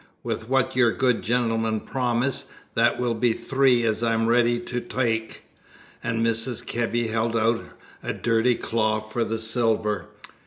With what your good gentleman promised, that will be three as I'm ready to take," and Mrs. Kebby held out a dirty claw for the silver.